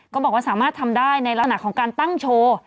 บอกว่าสามารถทำได้ในลักษณะของการตั้งโชว์